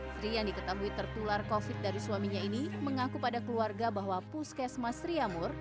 sri yang diketahui tertular covid dari suaminya ini mengaku pada keluarga bahwa puskesmas riamur